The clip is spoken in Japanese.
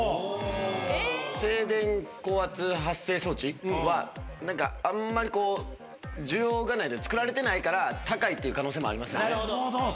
静電高圧発生装置はあんまりこう需要がないんで作られてないから高いって可能性もありますよね。